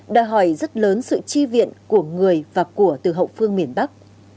đòi hỏi rất lớn sự chi viện của người và của từ hậu phương miền bắc